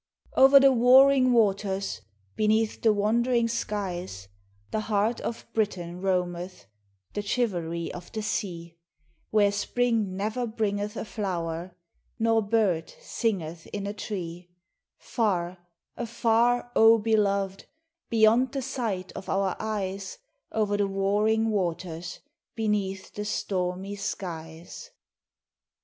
Over the warring waters, beneath the wandering skies, The heart of Britain roameth, the Chivalry of the sea, Where Spring never bringeth a flower, nor bird singeth in a tree; Far, afar, O beloved, beyond the sight of our eyes, Over the warring waters, beneath the stormy skies.